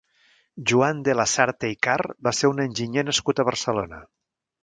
Joan de Lasarte i Karr va ser un enginyer nascut a Barcelona.